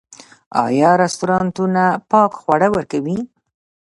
آیا رستورانتونه پاک خواړه ورکوي؟